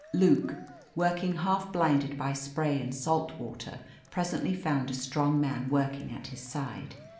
Luke, working half blinded by spray and salt water, presently found a strong man working at his side.